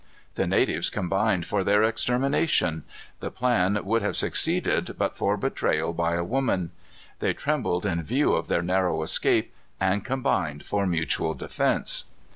The natives combined for their extermination. The plan would have succeeded but for betrayal by a woman. They trembled in view of their narrow escape, and combined for mutual defence.